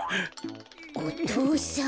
お父さん。